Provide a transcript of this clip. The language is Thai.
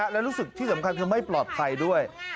และรู้สึกที่สำคัญเธอไม่ปลอดภัยด้วย